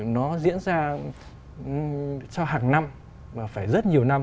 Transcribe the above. nó diễn ra cho hàng năm mà phải rất nhiều năm